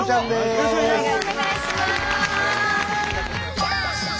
よろしくお願いします！